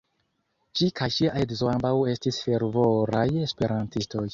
Ŝi kaj ŝia edzo ambaŭ estis fervoraj esperantistoj.